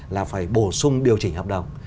là phải bổ sung điều chỉnh hợp đồng